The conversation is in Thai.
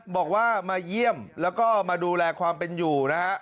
บอกว่ามาเยี่ยมแล้วก็มาดูแลความเป็นอยู่นะฮะ